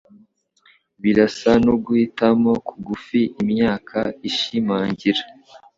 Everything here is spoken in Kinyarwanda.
Birasa nuguhitamo kugufi imyaka ishimangira